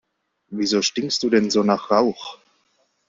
Wieso stinkst du denn so nach Rauch?